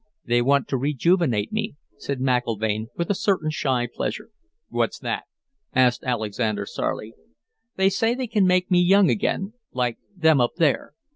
"They want to rejuvenate me," said McIlvaine, with a certain shy pleasure. "What's that?" asked Alexander sourly. "They say they can make me young again. Like them up there.